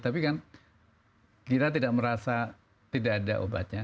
tapi kan kita tidak merasa tidak ada obatnya